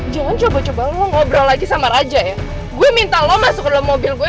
jangan coba coba lo ngobrol lagi sama raja ya gue minta lo masuk ke dalam mobil gue